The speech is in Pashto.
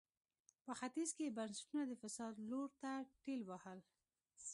په ختیځ کې یې بنسټونه د فساد لور ته ټېل وهل.